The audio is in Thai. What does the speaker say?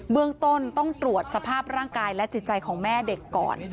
เรื่องต้นต้องตรวจสภาพร่างกายและจิตใจของแม่เด็กก่อน